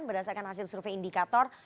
berdasarkan hasil survei indikator